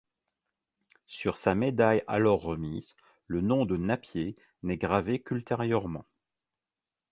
Sur sa médaille alors remise, le nom de Napier n'est gravé qu'ultérieurement.